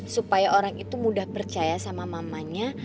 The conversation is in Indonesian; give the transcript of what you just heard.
supaya orang itu mudah percaya sama mamanya